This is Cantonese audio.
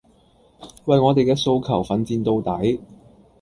為我哋嘅訴求奮戰到底